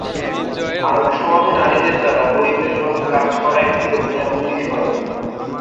আরব সমাজে নারীদের দ্বারা পরিবেশগত কাজ করা একটি অভিনব বিষয়।